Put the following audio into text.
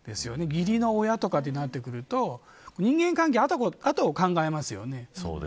義理の親とかになってくると人間関係の後を考えますよね。